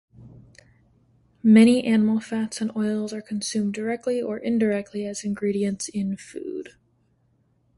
Many animal fats and oils are consumed directly, or indirectly as ingredients in food.